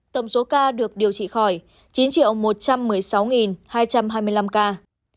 tổng số ca được điều trị khỏi chín một trăm một mươi sáu hai trăm hai mươi năm ca